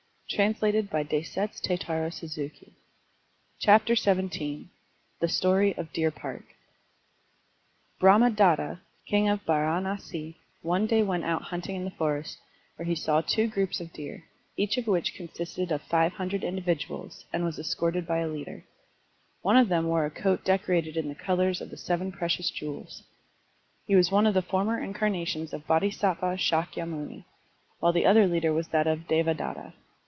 Digitized by Google THE STORY OF DEER PARK* BRAHMADATTA, king of Baranasl, one day went out hunting in the forest, where he saw two groups of deer, each of which consisted of five hundred individuals and was escorted by a leader. One of them wore a coat decorated in the colors of the seven precious jewels. He was one of the former incarnations of Bodhisattva Shakyamuni, while the other leader was that of Devadatta.